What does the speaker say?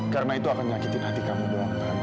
karena itu akan nyakitin hati kamu bang